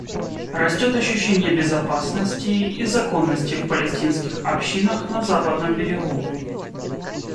Растет ощущение безопасности и законности в палестинских общинах на Западном берегу.